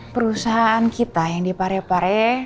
perusahaan kita yang di parepare